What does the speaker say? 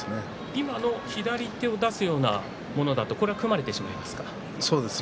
今の左手を出すようなものだと組まれてしまいますか？